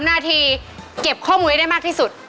นาทีเก็บข้อมูลไว้ได้มากที่สุด